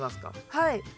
はい。